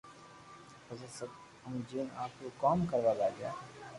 پسي سب ھمجين آپرو ڪوم ڪروا لاگيا